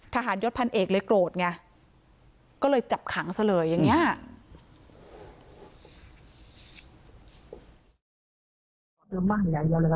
ยศพันเอกเลยโกรธไงก็เลยจับขังซะเลยอย่างนี้